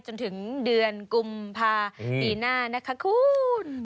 จนถึงเดือนกุมภาปีหน้านะคะคุณ